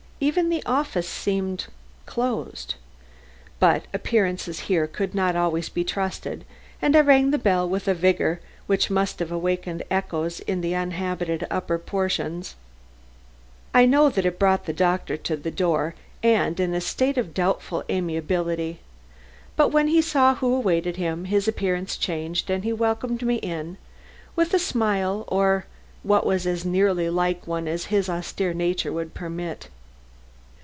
Even the office seemed closed. But appearances here could not always be trusted, and I rang the bell with a vigor which must have awakened echoes in the uninhabited upper stories. I know that it brought the doctor to the door, and in a state of doubtful amiability. But when he saw who awaited him, his appearance changed and he welcomed me in with a smile or what was as nearly like one as his austere nature would permit.